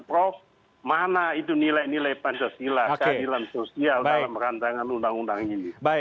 prof mana itu nilai nilai pancasila keadilan sosial dalam rancangan undang undang ini